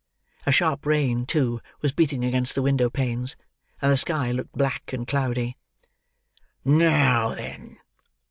A sharp rain, too, was beating against the window panes; and the sky looked black and cloudy. "Now, then!"